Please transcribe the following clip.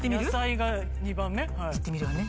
行ってみるわね